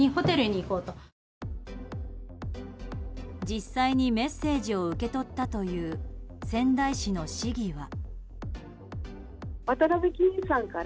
実際にメッセージを受け取ったという仙台市の市議は。